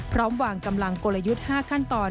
พร้อมวางกำลังกลยุทธ์๕ขั้นตอน